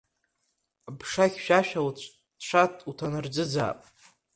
Аԥша хьшәашәа уцәа уҭанарӡыӡаап.